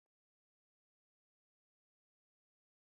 د ټرېنونو هډه ختیځ لور ته پرته ده